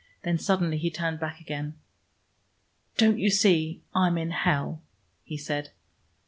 Then suddenly he turned back again. "Don't you see I'm in hell?" he said.